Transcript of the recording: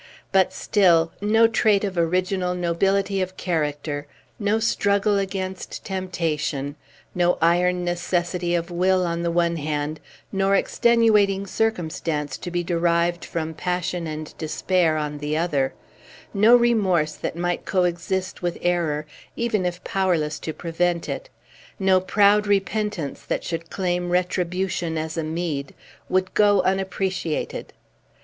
But, still, no trait of original nobility of character, no struggle against temptation, no iron necessity of will, on the one hand, nor extenuating circumstance to be derived from passion and despair, on the other, no remorse that might coexist with error, even if powerless to prevent it, no proud repentance that should claim retribution as a meed, would go unappreciated.